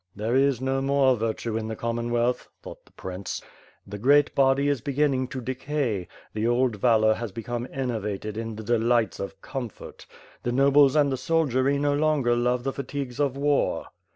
"There is no more virtue in the Commonwealth,'^ thought the prince, "the great body is beginning to decay, the old valor has be come enervated in the delights of comfort. The nobles and the soldiery no longer love the fatigues of war."